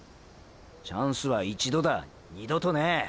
チャンスは一度だ二度とねェ。